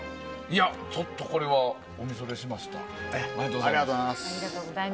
ちょっとこれはお見それしました。